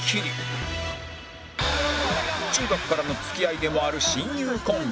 中学からの付き合いでもある親友コンビ